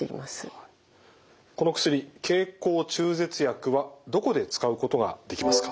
この薬経口中絶薬はどこで使うことができますか？